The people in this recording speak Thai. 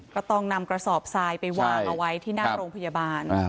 ก็ต้องนำกระสอบทรายไปวางเอาไว้ที่หน้าโรงพยาบาล